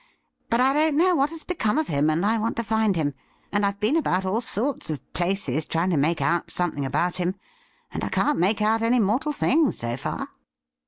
But I don't know what has become of him, and I want to find him, and I've been about all sorts of places trying to make out something about him, and I can't make out any mortal thing, so far.'